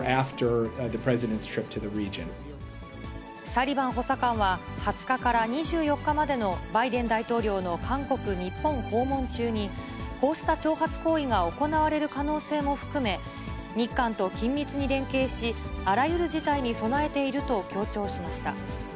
サリバン補佐官は、２０日から２４日までのバイデン大統領の韓国、日本訪問中に、こうした挑発行為が行われる可能性も含め、日韓と緊密に連携し、あらゆる事態に備えていると強調しました。